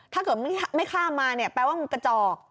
ถ้าเกิดไม่ข้ามมาเนี่ยแปลว่ามันกระจอก